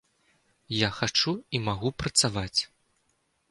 Я хачу і магу працаваць.